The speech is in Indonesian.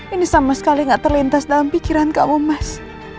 ini sama sekali gak terlintas dalam pikiran kamu mas